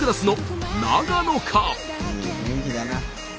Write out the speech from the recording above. いい雰囲気だな。